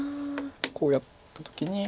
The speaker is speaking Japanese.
こうやった時に。